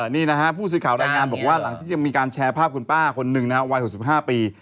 นี่นะฮะผู้สื่อข่าวรายงานบอกว่าหลังจากที่มีการแชร์ภาพคุณป้าคนหนึ่งนะครับวัย๖๕ปี